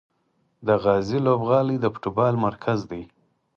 د غازي لوبغالی د فوټبال مرکز دی.